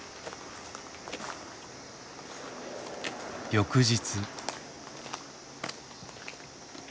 翌日。